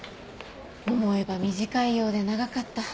思えば短いようで長かった。